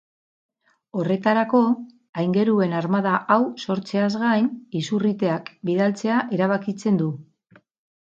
Horretarako, aingeruen armada hau sortzeaz gain, izurriteak bidaltzea erabakitzen du.